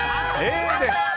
Ａです。